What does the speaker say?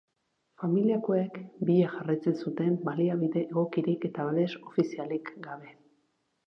Familiakoek bila jarraitzen zuten baliabide egokirik eta babes ofizialik gabe.